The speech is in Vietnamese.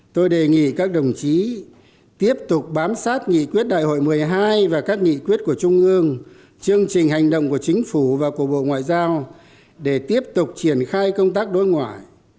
tôi đề nghị các đồng chí tiếp tục bám sát nghị quyết đại hội một mươi hai và các nghị quyết của trung ương chương trình hành động của chính phủ và của bộ ngoại giao để tiếp tục triển khai công tác đối ngoại